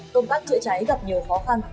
công tác chữa cháy gặp nhiều khó khăn